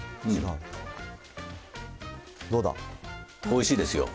おいしいですよ。